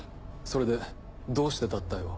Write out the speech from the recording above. それでどうして脱退を？